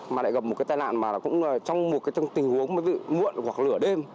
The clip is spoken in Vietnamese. mà lại gặp một cái tai nạn mà cũng trong một cái tình huống như muộn hoặc lửa đêm